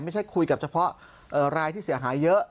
ไม่ใช่คุยกับเฉพาะรายที่เสียหายเยอะ